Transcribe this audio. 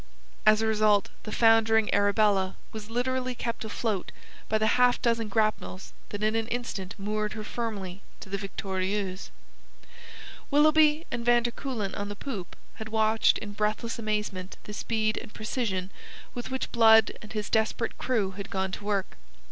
As a result, the foundering Arabella was literally kept afloat by the half dozen grapnels that in an instant moored her firmly to the Victorieuse. Willoughby and van der Kuylen on the poop had watched in breathless amazement the speed and precision with which Blood and his desperate crew had gone to work.